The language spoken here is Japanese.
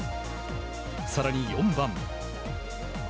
さらに４番。